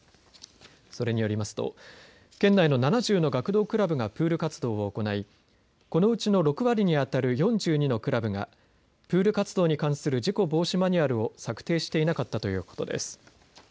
それによりますと県内の７０の学童クラブがプール活動を行いこのうちの６割にあたる４２のクラブがプール活動に関する事故防止マニュアルを策定していなかったということです。